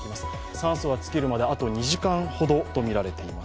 酸素が尽きるまであと２時間ほどとみられています。